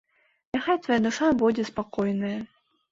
Няхай твая душа будзе спакойная.